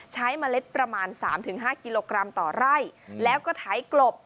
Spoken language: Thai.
เมล็ดประมาณ๓๕กิโลกรัมต่อไร่แล้วก็ไถกลบ